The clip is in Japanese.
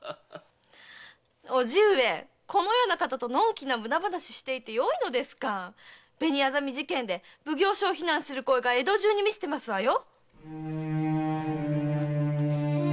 叔父上このような方と呑気な無駄話していてよいのですか⁉紅薊事件で奉行所を非難する声が江戸中に満ちてますわよ。